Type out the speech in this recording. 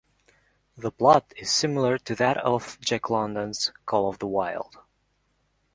The plot is similar to that of Jack London's "Call of the Wild".